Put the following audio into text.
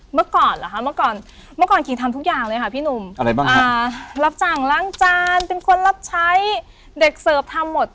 เมื่อก่อนคิดทำทุกอย่างเลยค่ะพี่หนุ่มรับจังล้างจานเป็นคนรับใช้เด็กเสิร์ฟทำหมด